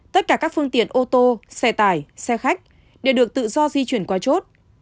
tất cả các phương tiện ô tô xe tải xe khách đều được tự do di chuyển qua chốt